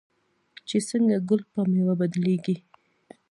چې څنګه ګل په میوه بدلیږي.